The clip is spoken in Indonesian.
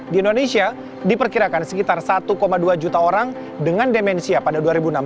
di indonesia diperkirakan sekitar satu dua juta orang dengan demensia pada dua ribu enam belas